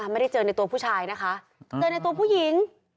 ไม่ได้เจอในตัวผู้ชายนะคะเจอในตัวผู้หญิง